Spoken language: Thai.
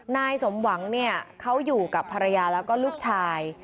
นายสมหวังเขาอยู่กับภรรยาและลูกชาย